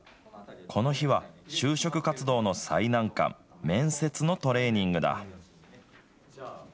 この日は、就職活動の最難関、面接のトレーニングだ。